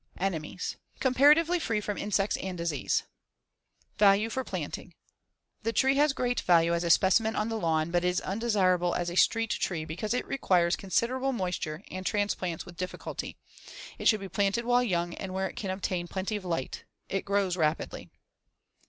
Enemies: Comparatively free from insects and disease. Value for planting: The tree has great value as a specimen on the lawn but is undesirable as a street tree because it requires considerable moisture and transplants with difficulty. It should be planted while young and where it can obtain plenty of light. It grows rapidly.